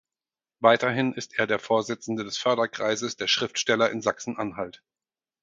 Weiterhin ist er der Vorsitzende des Förderkreises der Schriftsteller in Sachsen-Anhalt.